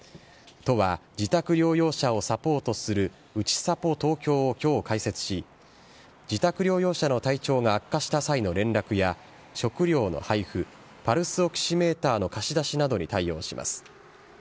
都は自宅療養者をサポートする、うちさぽ東京をきょう開設し、自宅療養者の体調が悪化した際の連絡や、食料の配布、パルスオキシメーターの貸し出しなどに対応します。